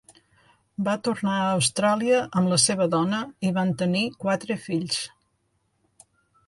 Va tornar a Austràlia amb la seva dona i van tenir quatre fills.